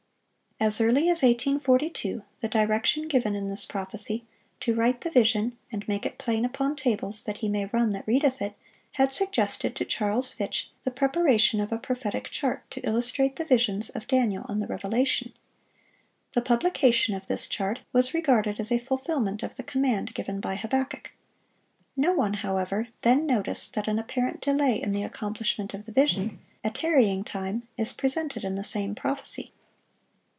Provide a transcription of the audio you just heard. As early as 1842, the direction given in this prophecy, to "write the vision, and make it plain upon tables, that he may run that readeth it," had suggested to Charles Fitch the preparation of a prophetic chart to illustrate the visions of Daniel and the Revelation. The publication of this chart was regarded as a fulfilment of the command given by Habakkuk. No one, however, then noticed that an apparent delay in the accomplishment of the vision—a tarrying time—is presented in the same prophecy.